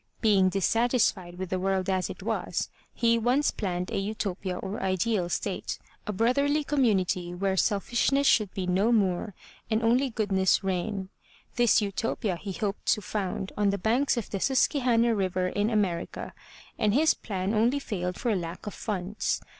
Being dissatisfied with the world as it was, he once planned a Utopia or ideal state, a brotherly commimity where selfishness should be no more and only goodness reigrt. This Utopia he hoped to found on the banks of the Susque hanna River in America and his plan only failed for lack of funds.